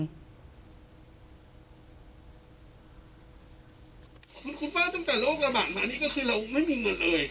คุณป้าตั้งแต่โรคระบาดมานี่ก็คือเราไม่มีเงินเลย